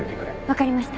分かりました